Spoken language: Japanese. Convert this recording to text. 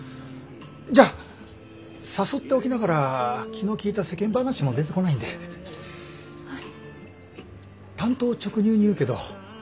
じゃあ誘っておきながら気の利いた世間話も出てこないんで単刀直入に言うけど。